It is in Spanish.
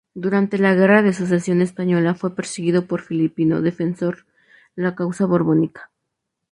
Durante la Guerra de Sucesión Española, fue perseguido por filipino, defensor la causa borbónica.